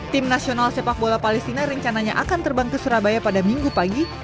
tim nasional sepak bola palestina rencananya akan terbang ke surabaya pada minggu pagi